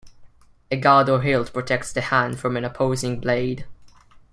A guard or hilt protects the hand from an opposing blade.